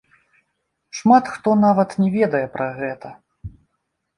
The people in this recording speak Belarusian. Шмат хто нават не ведае пра гэта.